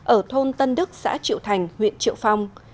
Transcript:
ở thôn tân đức xã triệu thành huyện triệu phong